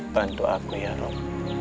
bantu aku ya ruh